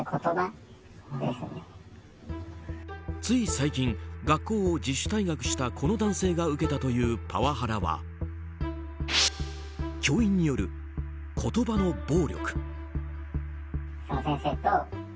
つい最近、学校を自主退学したこの男性が受けたというパワハラは教員による言葉の暴力。